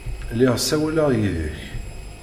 Lliɣ ssawaleɣ yid-k.